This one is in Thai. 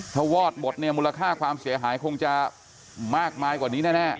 ถ้าวอดหมดเนี่ยมูลค่าความเสียหายคงจะมากมายกว่านี้แน่